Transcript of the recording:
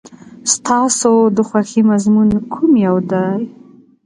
ستاسو د خوښې مضمون کوم یو دی؟